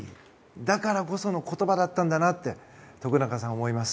だからこその言葉だったんだと徳永さん、思います。